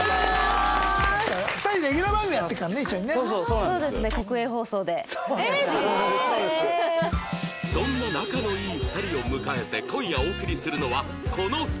そんな仲のいい２人を迎えて今夜お送りするのはこの２つ